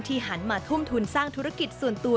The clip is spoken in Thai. หันมาทุ่มทุนสร้างธุรกิจส่วนตัว